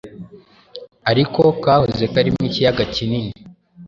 ariko kahoze karimo ikiyaga kinini